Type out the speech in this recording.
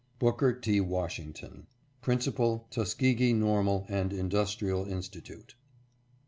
BOOKER T. WASHINGTON. Principal, Tuskegee Normal and Industrial Institute.